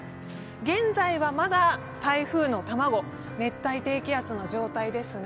現在はまだ台風の卵、熱帯低気圧の状態ですが、